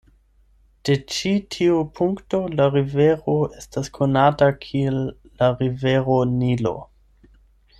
De ĉi tiu punkto la rivero estas konata kiel la Rivero Nilo.